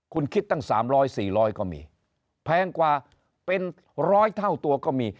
คุณคิดตั้ง๓๐๐๔๐๐ก็มีแพงกว่าเป็นร้อยเท่าตัวก็มี